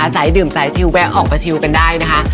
สายดื่มสายชิลแวะออกมาชิวกันได้นะคะ